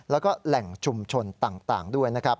แล้วก็แหล่งชุมชนต่างด้วยนะครับ